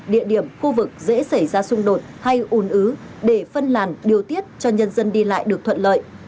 địa điểm khu vực dễ xảy ra xung đột hay ùn ứ để phân làn điều tiết cho nhân dân đi lại được thuận lợi